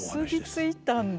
結び付いたんだ。